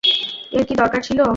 এর কী দরকার ছিল?